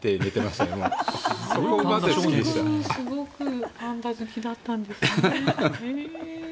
すごくパンダ好きだったんですね。